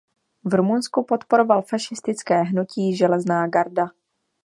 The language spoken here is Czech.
V Rumunsku podporoval fašistické hnutí Železná garda.